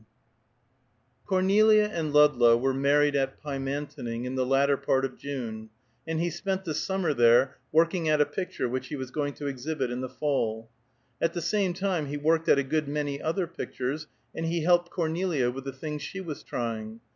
XXXIX. Cornelia and Ludlow were married at Pymantoning in the latter part of June, and he spent the summer there, working at a picture which he was going to exhibit in the fall. At the same time he worked at a good many other pictures, and he helped Cornelia with the things she was trying.